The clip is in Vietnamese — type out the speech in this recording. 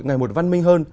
ngày một văn minh hơn